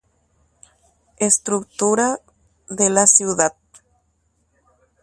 Tavarandu ñemohenda.